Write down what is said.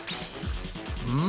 うん！？